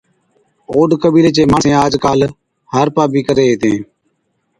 اوڏ قبِيلي چي ماڻسين آج ڪاله هارپا بِي ڪري هِتين